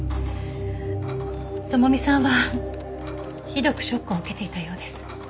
朋美さんはひどくショックを受けていたようです。